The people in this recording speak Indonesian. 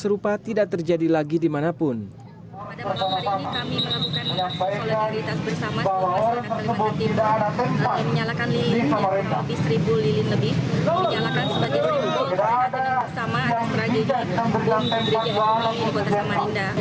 lupa tidak terjadi lagi dimanapun kami melakukan solidaritas bersama